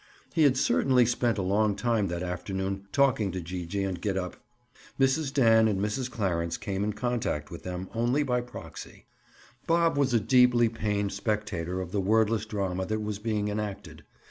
He had certainly spent a long time that afternoon talking to Gee gee and Gid up. Mrs. Dan and Mrs. Clarence came in contact with them only by proxy. Bob was a deeply pained spectator of the wordless drama that was being enacted.